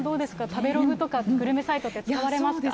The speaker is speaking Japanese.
食べログとか、グルメサイトって使われますか？